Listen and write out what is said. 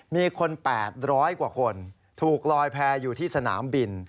มีคน๘๐๐กว่าคนถูกลอยแพร่อยู่ที่สนามบิน